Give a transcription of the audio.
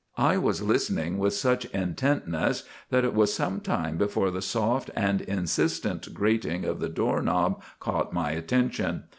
I was listening with such intentness that it was some time before the soft and insistent grating of the doorknob caught my attention.